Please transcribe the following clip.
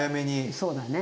そうだね。